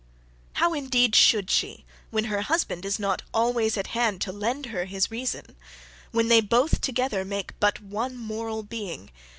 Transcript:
How indeed should she, when her husband is not always at hand to lend her his reason when they both together make but one moral being?